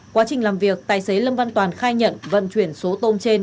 quá trình làm việc tài xế lâm văn toàn khai nhận vận chuyển số tôm trên